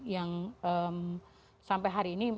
yang sampai hari ini